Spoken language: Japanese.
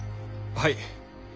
はい。